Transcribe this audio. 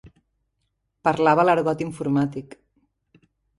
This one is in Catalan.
Parlava l'argot informàtic.